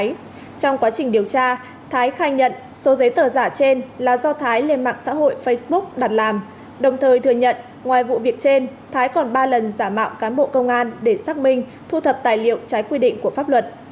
trong quá trình điều tra thái khai nhận số giấy tờ giả trên là do thái lên mạng xã hội facebook đặt làm đồng thời thừa nhận ngoài vụ việc trên thái còn ba lần giả mạo cán bộ công an để xác minh thu thập tài liệu trái quy định của pháp luật